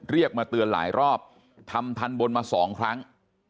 เรียกมาเตือนหลายรอบทำทันบนมาสองครั้ง